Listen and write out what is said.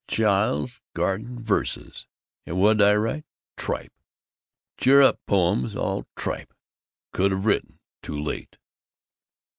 Chile's Garden Verses. And whadi write? Tripe! Cheer up poems. All tripe! Could have written Too late!"